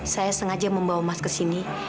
saya sengaja membawa emas ke sini